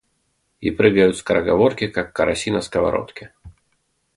И прыгают скороговорки, как караси на сковородке.